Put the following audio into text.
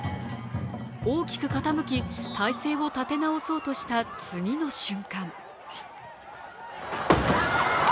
大きく傾き体勢を立て直そうとした次の瞬間